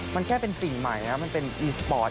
มันแค่เป็นสิ่งใหม่มันเป็นอีสปอร์ต